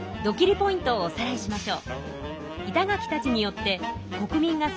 ポイントをおさらいしましょう。